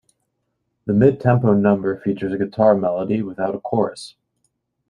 The mid-tempo number features a guitar melody without a chorus.